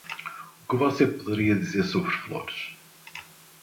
O que você poderia dizer sobre flores?